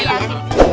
makasih non rema